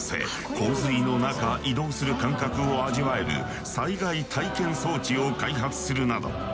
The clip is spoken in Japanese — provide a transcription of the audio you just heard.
洪水の中移動する感覚を味わえる災害体験装置を開発するなど